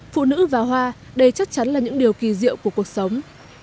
phụ nữ và hoa đây chắc chắn là những điều kỳ diệu của cuộc sống